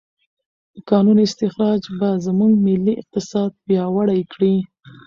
د کانونو استخراج به زموږ ملي اقتصاد پیاوړی کړي.